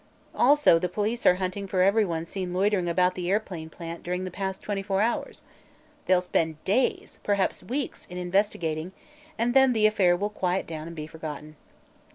Also the police are hunting for everyone seen loitering about the airplane plant during the past twenty four hours. They'll spend days perhaps weeks in investigating, and then the affair will quiet down and be forgotten."